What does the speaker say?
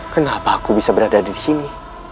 kenapa aku bisa berada disini